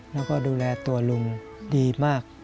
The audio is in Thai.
และดูแลตัวลุงดีมาก